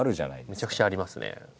むちゃくちゃありますね。